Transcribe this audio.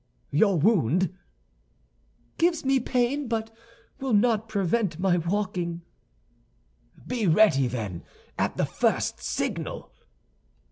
"Your wound?" "Gives me pain, but will not prevent my walking." "Be ready, then, at the first signal."